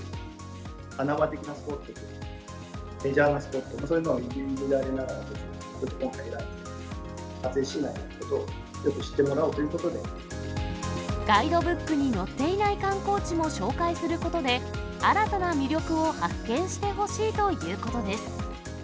穴場的なスポットと、メジャーなスポット、そういうのを今回選んで、松江市内のことをよく知ってもらおうとガイドブックに載っていない観光地も紹介することで、新たな魅力を発見してほしいということ